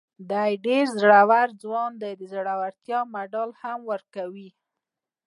دی ډېر زړور ځوان دی، د زړورتیا مېډال هم ورکوي.